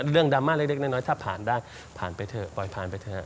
ดราม่าเล็กน้อยถ้าผ่านได้ผ่านไปเถอะปล่อยผ่านไปเถอะ